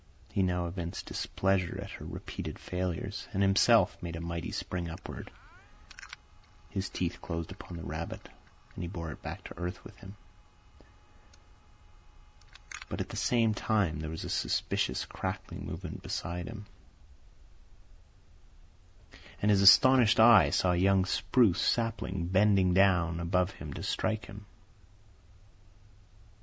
He now evinced displeasure at her repeated failures, and himself made a mighty spring upward. His teeth closed upon the rabbit, and he bore it back to earth with him. But at the same time there was a suspicious crackling movement beside him, and his astonished eye saw a young spruce sapling bending down above him to strike him.